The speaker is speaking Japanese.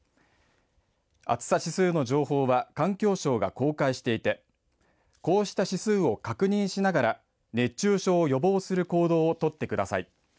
暑さ指数の情報は環境省が公開していてこうした指数を確認しながら熱中症を予防する行動を取ってください。